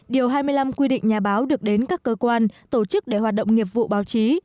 điều hai mươi năm quy định nhà báo được đến các cơ quan tổ chức để hoạt động nghiệp vụ báo chí